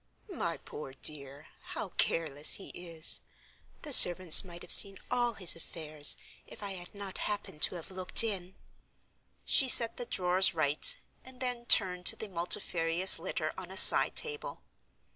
"My poor dear, how careless he is! The servants might have seen all his affairs, if I had not happened to have looked in." She set the drawers right; and then turned to the multifarious litter on a side table.